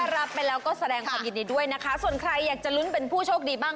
รับไปแล้วก็แสดงความยินดีด้วยนะคะส่วนใครอยากจะลุ้นเป็นผู้โชคดีบ้าง